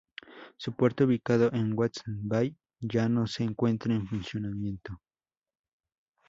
Su puerto, ubicado en West Bay, ya no se encuentra en funcionamiento.